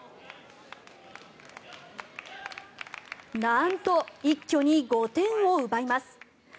なんと、一挙に５点を奪います。